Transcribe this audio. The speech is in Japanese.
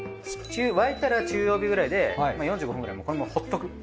沸いたら中弱火くらいで４５分くらいこのままほっとく。